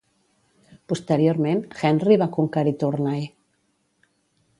Posteriorment, Henry va conquerir Tournai.